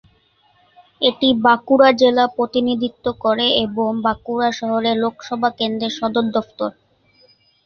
এটি বাঁকুড়া জেলা প্রতিনিধিত্ব করে এবং বাঁকুড়া শহরে লোকসভা কেন্দ্রের সদর দফতর।